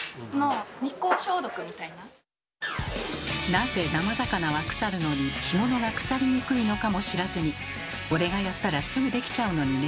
なぜ生魚は腐るのに干物が腐りにくいのかも知らずに「俺がやったらすぐできちゃうのにね」